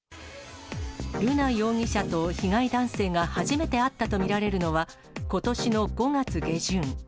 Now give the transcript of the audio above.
瑠奈容疑者と被害男性が初めて会ったと見られるのは、ことしの５月下旬。